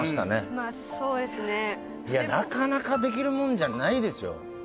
まあそうですねなかなかできるもんじゃないですよ